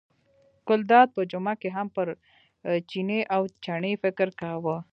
ګلداد په جمعه کې هم پر چیني او چڼي فکر کاوه.